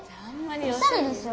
おしゃれでしょ！